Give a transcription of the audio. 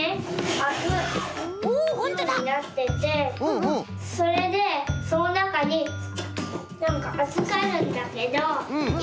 あくようになっててそれでそのなかになんかあずかるんだけどい